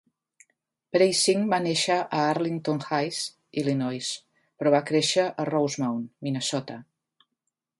Preissing va néixer a Arlington Heights, Illinois, però va créixer a Rosemount, Minnesota.